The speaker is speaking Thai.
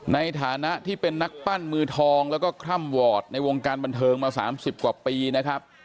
ในฐานะที่เป็นนักปั้นมือทองแล้วก็คล่ำวอร์ดในวงการบันเทิงมา๓๐กว่าปีนะครับ